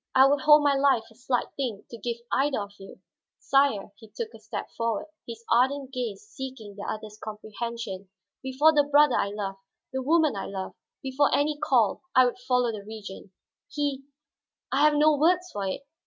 I would hold my life a slight thing to give either of you. Sire," he took a step forward, his ardent gaze seeking the other's comprehension, "before the brother I loved, the woman I love, before any call, I would follow the Regent. He I have no words for it.